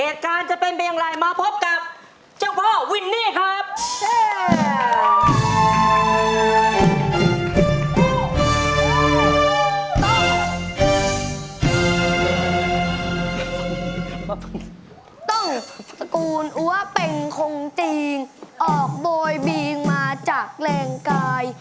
ต้องสกูลอัวเป็นคงจริงออกโบยบีงมาจากแรงกาย